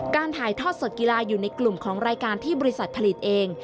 ถ่ายทอดสดกีฬาอยู่ในกลุ่มของรายการที่บริษัทผลิตเอง